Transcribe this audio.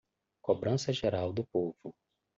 Cobrança geral do povo